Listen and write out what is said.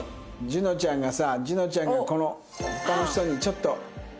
樹乃ちゃんがさ樹乃ちゃんがこの他の人にちょっと。